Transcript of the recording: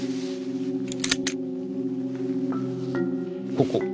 ここ。